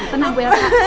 tenang bu elsa